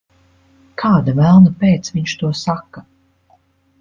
Kāda velna pēc viņš to saka?